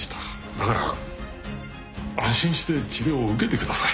だから安心して治療を受けてください